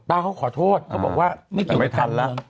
ป้าเค้าขอโทษเค้าบอกว่าไม่ทันแล้ว